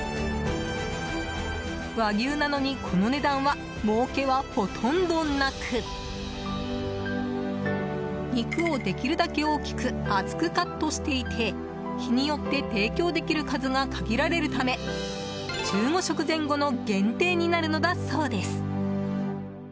和牛なのに、この値段はもうけはほとんどなく肉をできるだけ大きく厚くカットしていて日によって提供できる数が限られるため１５食前後の限定になるのだそうです。